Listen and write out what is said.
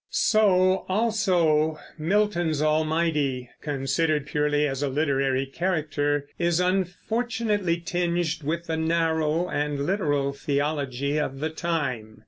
So also Milton's Almighty, considered purely as a literary character, is unfortunately tinged with the narrow and literal theology of the time.